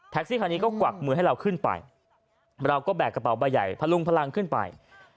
ซี่คันนี้ก็กวักมือให้เราขึ้นไปเราก็แบกกระเป๋าใบใหญ่พลุงพลังขึ้นไป